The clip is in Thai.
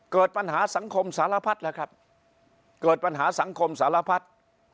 เกิดปัญหาสังคมสารพัดแล้วครับเกิดปัญหาสังคมสารพัฒน์